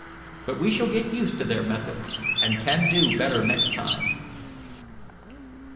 But we shall get used to their method, and can do better next time."